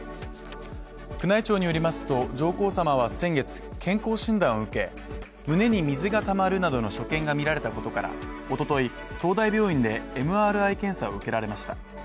宮内庁によりますと、上皇さまは先月、健康診断を受け、胸に水がたまるなどの所見が見られたことから、一昨日、東大病院でＭＲＩ検査を受けられました。